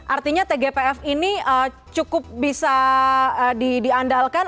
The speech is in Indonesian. artinya tgpf ini cukup bisa diandalkan